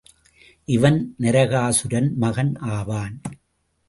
இவன் நரகாசுரன் மகன் ஆவான்.